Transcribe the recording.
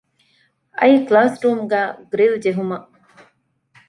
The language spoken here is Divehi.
އައި ކްލާސްރޫމުގައި ގްރިލް ޖެހުމަށް